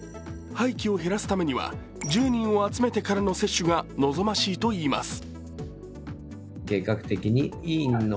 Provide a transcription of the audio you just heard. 廃棄を減らすためには１０人を集めてからの接種が望ましいといいます。